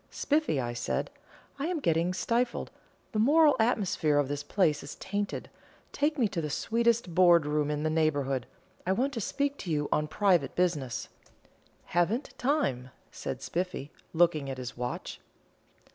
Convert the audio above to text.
"Spiffy," I said, "I am getting stifled the moral atmosphere of this place is tainted; take me to the sweetest board room in the neighbourhood I want to speak to you on private business." "Haven't time," said Spiffy, looking at his watch.